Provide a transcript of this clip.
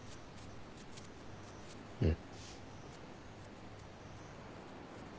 うん。